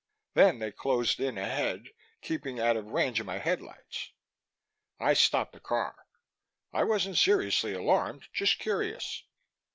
Then they closed in ahead, keeping out of range of my headlights. I stopped the car. I wasn't seriously alarmed, just curious.